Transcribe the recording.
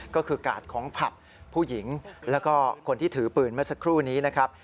ก็คือกาดของผับผู้หญิงแล้วก็คนที่ถือปืนเมื่อสักครู่นี้นะครับ